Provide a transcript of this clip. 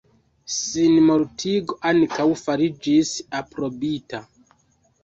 Sinmortigo ankaŭ fariĝis aprobita.